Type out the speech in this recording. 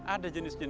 ada jenisnya ya kan